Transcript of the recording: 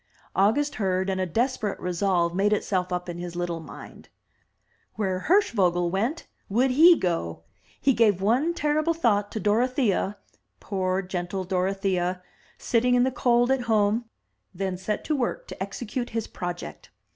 August heard, and a desperate resolve made itself up in his little mind. Where Hirschvogel went, would he go. He gave one terrible thought to Dorothea — ^poor, gentle Dorothea! — sitting in the cold at home, then set to work to execute his pro ject.